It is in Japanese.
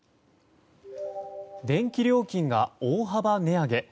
電気料金が大幅値上げ。